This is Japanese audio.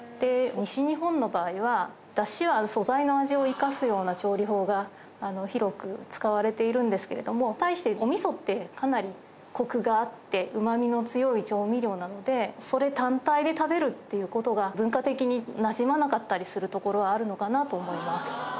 西日本の場合はダシは素材の味を生かすような調理法が広く使われているんですけれども対してお味噌ってかなりコクがあってうまみの強い調味料なのでそれ単体で食べるっていう事が文化的に馴染まなかったりするところはあるのかなと思います。